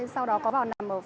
sau đó có vào nằm ở phòng